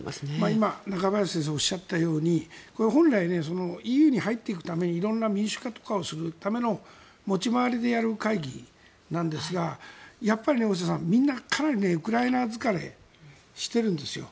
今中林先生がおっしゃったように本来、ＥＵに入っていくために色んな民主化とかを持ち回りでやる会議なんですがやっぱり大下さん、みんなかなりウクライナ疲れしてるんですよ。